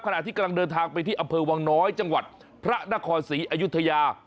ขณะที่กำลังเดินทางไปที่อำเภอวังน้อยจังหวัดพระนครศรีอยุธยา